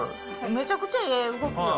めちゃくちゃええ動きよ。